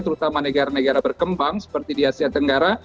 terutama negara negara berkembang seperti di asia tenggara